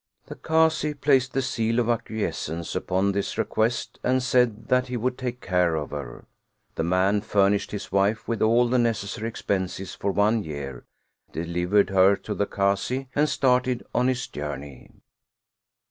The Kazi placed the seal of acquiescence upon this re quest and said that he would take care of her. That man furnished his wife with all the necessary expenses for one year, delivered her to the Kazi, and started on his journey.